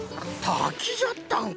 たきじゃったんか！